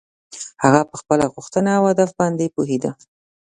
هغه په خپله غوښتنه او هدف باندې پوهېده.